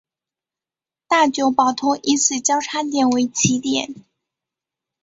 大久保通以此交差点为起点。